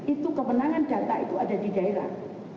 itu kemenangan data itu ada di daerah